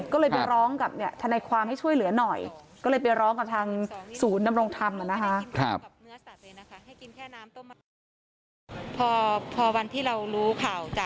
ก็เลยไปร้องกับทนายความให้ช่วยเหลือหน่อยก็เลยไปร้องกับทางศูนย์ดำรงธรรมนะคะ